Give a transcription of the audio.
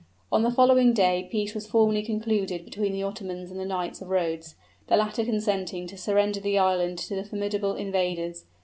On the following day peace was formally concluded between the Ottomans and the knights of Rhodes, the latter consenting to surrender the island to the formidable invaders.